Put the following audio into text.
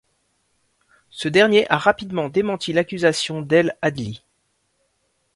Ce dernier a rapidement démenti l'accusation d'el-Adli.